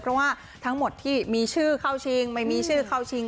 เพราะว่าทั้งหมดที่มีชื่อเข้าชิงไม่มีชื่อเข้าชิง